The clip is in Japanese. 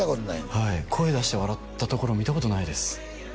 はい声出して笑ったところ見たことないです